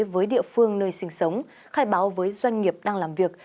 với địa phương nơi sinh sống khai báo với doanh nghiệp đang làm việc